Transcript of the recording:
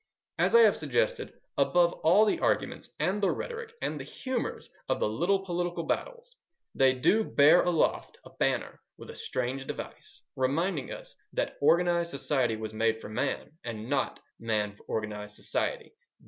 As I have suggested, above all the arguments and the rhetoric and the humours of the little political battles, they do bear aloft a banner with a strange device, reminding us that organized society was made for man, and not man for organized society.